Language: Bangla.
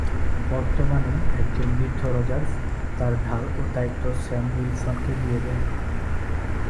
বর্তমানে, একজন বৃদ্ধ রজার্স তার ঢাল ও দ্বায়িত্ব স্যাম উইলসন কে দিয়ে দেন।